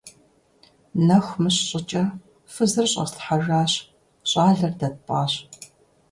Нэху мыщ щӀыкӀэ фызыр щӀэслъхьэжащ, щӀалэр дэ тпӀащ.